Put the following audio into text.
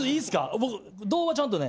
僕度はちゃんとね。